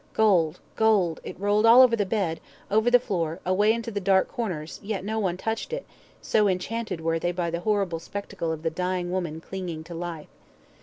Gold gold it rolled all over the bed, over the floor, away into the dark corners, yet no one touched it, so enchained were they by the horrible spectacle of the dying woman clinging to life.